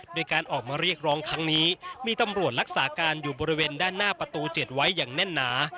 โดยการออกมาเรียกร้องครั้งนี้มีตำรวจรักษาการอยู่บริเวณด้านหน้าประตู๗ไว้อย่างแน่นหนา